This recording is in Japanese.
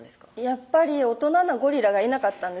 やっぱり大人なゴリラがいなかったんです